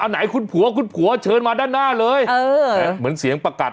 ไหนคุณผัวคุณผัวเชิญมาด้านหน้าเลยเออเหมือนเสียงประกัด